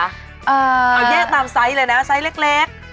เอาแยกตามไซส์เลยนะไซส์เล็ก